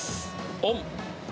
オン！